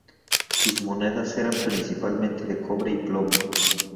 Sus monedas eran principalmente de cobre y plomo.